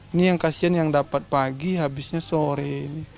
ini yang kasihan yang dapat pagi habisnya sore